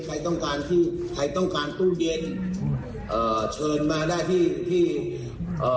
ใครต้องการที่ใครต้องการตู้เย็นเอ่อเชิญมาได้ที่ที่เอ่อ